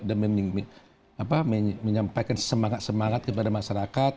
dan menyampaikan semangat semangat kepada masyarakat